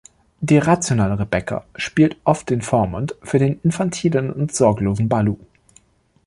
Die rationale Rebecca spielt oft den Vormund für den infantilen und sorglosen Balu.